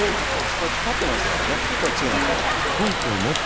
こうやって立ってましたからねこっちが。